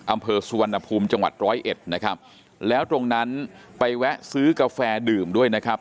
อำเภอสุวรรณภูมิจังหวัดร้อยเอ็ดนะครับแล้วตรงนั้นไปแวะซื้อกาแฟดื่มด้วยนะครับ